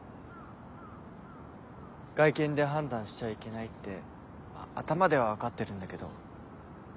外見で判断しちゃいけないって頭では分かってるんだけど。